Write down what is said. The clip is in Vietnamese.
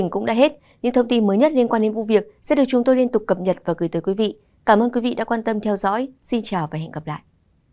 cảm ơn các bạn đã theo dõi và hẹn gặp lại